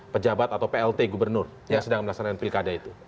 pejabat atau plt gubernur yang sedang melaksanakan pilkada itu